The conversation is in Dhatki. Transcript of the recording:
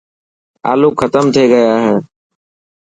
آلو ختم ٿي گيا هي.